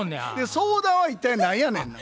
相談は一体何やねんな？